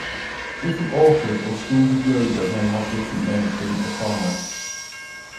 Different authors or schools of yoga may have different names for an asana.